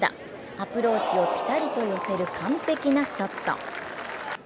アプローチをぴたりと寄せる完璧なショット。